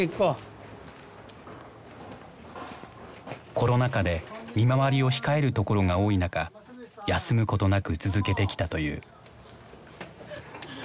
コロナ禍で見回りを控えるところが多い中休むことなく続けてきたという。